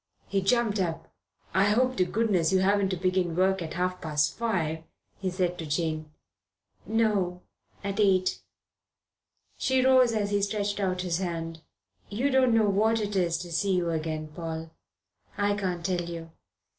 He jumped up. "I hope to goodness you haven't to begin work at half past five," he said to Jane. "No. At eight." She rose as he stretched out his hand. "You don't know what it is to see you again, Paul. I can't tell you.